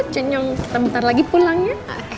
kita bentar lagi pulang ya